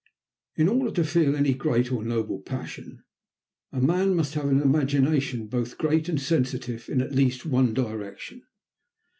In order to feel any great or noble passion a man must have an imagination both great and sensitive in at least one direction.